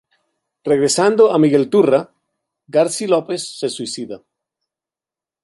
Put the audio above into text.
Regresando a Miguelturra, Garci López se suicida.